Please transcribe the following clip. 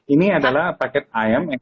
ini adalah paket ayam